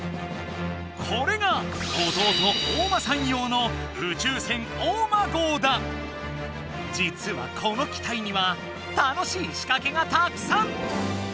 これが弟おうまさん用の実はこの機体には楽しいしかけがたくさん！